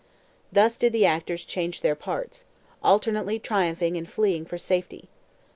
Thus did the actors change their parts, alternately triumphing and fleeing for safety.